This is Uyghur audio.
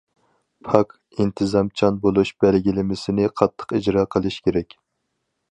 پاك، ئىنتىزامچان بولۇش بەلگىلىمىسىنى قاتتىق ئىجرا قىلىش كېرەك.